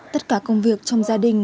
tất cả công việc trong gia đình